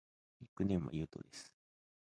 ニックネームはゆうとです。